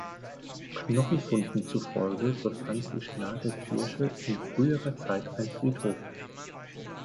Knochenfunden zufolge befand sich nahe der Kirche in früherer Zeit ein Friedhof.